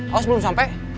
aos belum sampai